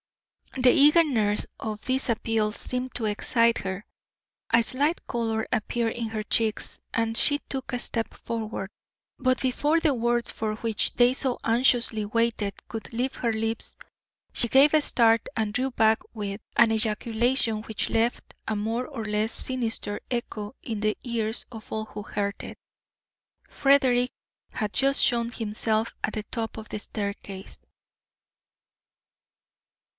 The eagerness of this appeal seemed to excite her. A slight colour appeared in her cheeks and she took a step forward, but before the words for which they so anxiously waited could leave her lips, she gave a start and drew back with, an ejaculation which left a more or less sinister echo in the ears of all who heard it. Frederick had just shown himself at the top of the staircase.